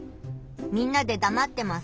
みんなでだまってます。